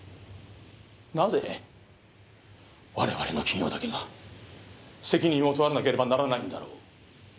なぜ我々の企業だけが責任を取らなければならないんだろう？